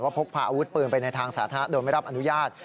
พกพาอาวุธปืนไปในทางสาธารณะโดยไม่รับอนุญาต